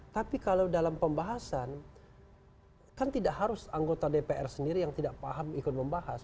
tapi kalau dalam pembahasan kan tidak harus anggota dpr sendiri yang tidak paham ikut membahas